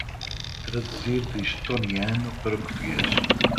Traduzir do estoniano para o português